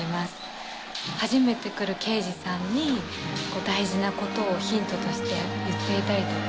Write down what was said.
初めて来る刑事さんに大事なことをヒントとして言っていたりとか。